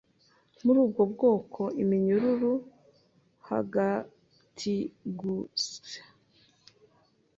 muri ubwo bwoko iminyururu hagatigusya